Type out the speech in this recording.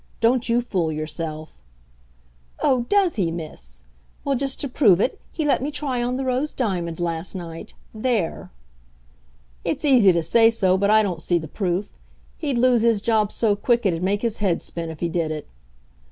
Don't you fool yourself." "Oh, does he, Miss! Well, just to prove it, he let me try on the rose diamond last night. There!" "It's easy to say so but I don't see the proof. He'd lose his job so quick it'd make his head spin if he did it."